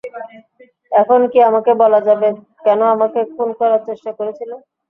এখন কি আমাকে বলা যাবে কেন আমাকে খুন করার চেষ্টা করেছিলে?